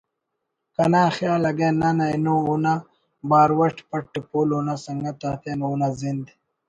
کنا خیال اگہ نن اینو اونا بارو اٹ پٹ پول اونا سنگت آتیان اونا زند